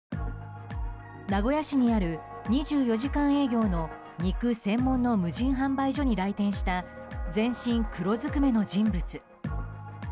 名古屋市にある２４時間営業の肉専門の無人販売所に来店した全身黒ずくめの人物。